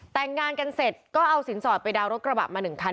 แต่งงานกันเสร็จก็เอาสินสอดไปดาวนรถกระบะมา๑คัน